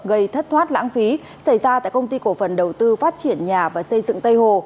gây thất thoát lãng phí xảy ra tại công ty cổ phần đầu tư phát triển nhà và xây dựng tây hồ